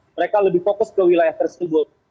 mereka lebih fokus ke wilayah tersebut